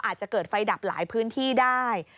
อาจจะเกิดไฟดับหลายพื้นที่ได้